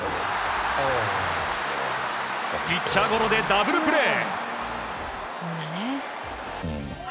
ピッチャーゴロでダブルプレー。